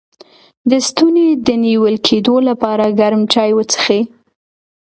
د ستوني د نیول کیدو لپاره ګرم چای وڅښئ